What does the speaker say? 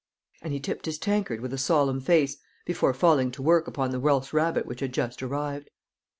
And he tipped his tankard with a solemn face, before falling to work upon the Welsh rarebit which had just arrived.